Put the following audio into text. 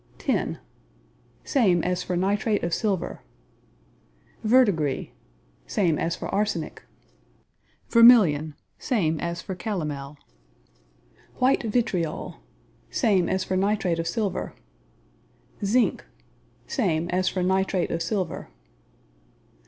Tin Same as for nitrate of silver. Verdigris Same as for arsenic. Vermilion Same as for calomel. White vitriol Same as for nitrate of silver. Zinc Same as for nitrate of silver.